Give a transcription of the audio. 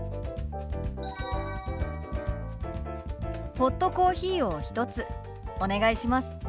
ホットコーヒーを１つお願いします。